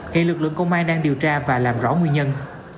hiện lực lượng công an đang điều tra và làm rõ nguyên nhân